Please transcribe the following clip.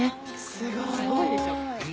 すごいでしょ？